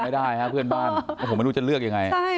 ไม่ได้เพื่อนบ้านผมไม่รู้จะเลือกยังไง